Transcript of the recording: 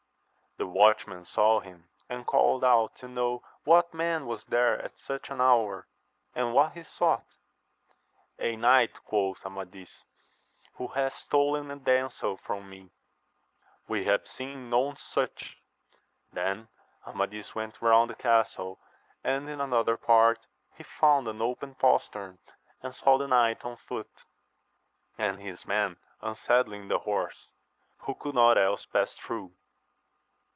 The watchman saw him, and called out to know what man was there at such an hour, and what he sought. A knight, quoth Amadis, who hath stolen a damsel from me. — We have seen none such. Then Amadis went round the castle, and in another part he found an open postern, and saw the knight on foot, and his men unsaddling the horse, who could not else pass through.